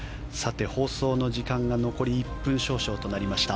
放送の時間が残り１分少々となりました。